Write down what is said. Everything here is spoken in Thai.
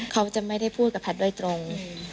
เขาจะไม่ได้พูดกับแพทย์โดยตรง